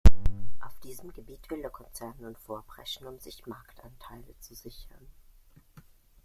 Auf diesem Gebiet will der Konzern nun vorpreschen, um sich Marktanteile zu sichern.